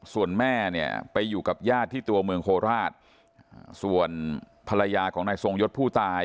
ส่วนแม่ลี้ไปอยู่กับญาติที่เมืองโฆษฐภาษณ์ส่วนภรรยาของสมโยศน์ผู้ตาย